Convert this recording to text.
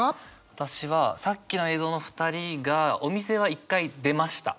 私はさっきの映像の２人がお店は一回出ました。